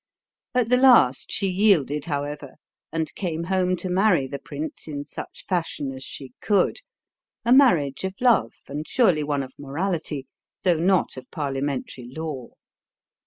At the last she yielded, however, and came home to marry the prince in such fashion as she could a marriage of love, and surely one of morality, though not of parliamentary law.